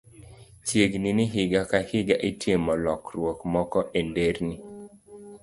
Chiegni ni higa ka higa, itimo lokruok moko e nderni